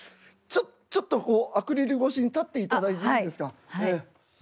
ちょちょっとこうアクリル越しに立っていただいていいですか。